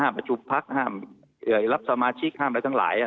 ประชุมพักห้ามรับสมาชิกห้ามอะไรทั้งหลาย